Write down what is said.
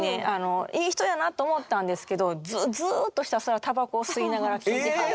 いい人やなって思ったんですけどずっとひたすらタバコを吸いながら聞いてはって。